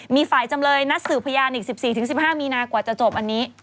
มีฝ่ายจำเลยนัดสืบพยานอีก๑๔๑๕มีนากว่าจะจบอันนี้